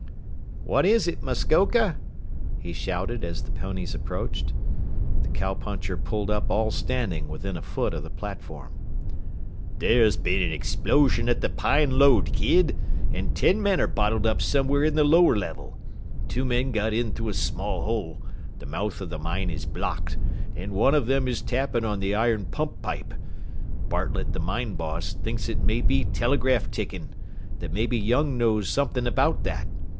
"What is it, Muskoka?" he shouted as the ponies approached. The cow puncher pulled up all standing within a foot of the platform. "There's been an explosion at the Pine Lode, kid, and ten men are bottled up somewhere in the lower level. Two men got in through a small hole the mouth of the mine is blocked and one of them is tapping on the iron pump pipe. Bartlett, the mine boss, thinks it may be telegraph ticking that maybe Young knows something about that.